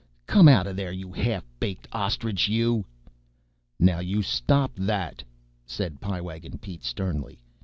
Come out of there, you half baked ostrich, you." "Now, you stop that," said Pie Wagon Pete sternly.